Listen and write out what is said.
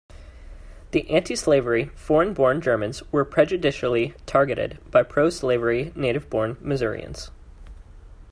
The anti-slavery foreign-born Germans were prejudicially targeted by pro-slavery native-born Missourians.